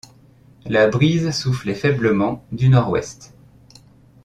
La brise soufflait faiblement du nord-ouest.